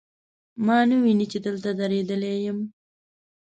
ما نه ویني، چې دلته دریدلی یم